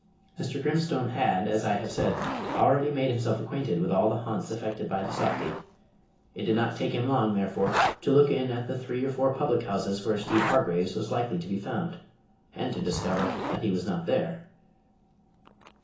Mr. Grimstone had, as I have said, already made himself acquainted with all the haunts affected by the softy. It did not take him long, therefore, to look in at the three or four public houses where Steeve Hargraves was likely to be found, and to discover that he was not there.